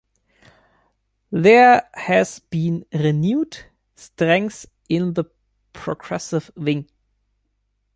There has been renewed strength in the progressive wing.